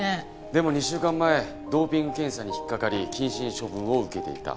でも２週間前ドーピング検査に引っかかり謹慎処分を受けていた。